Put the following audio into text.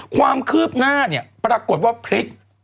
ความคืบหน้าปรากฏว่าพฤษ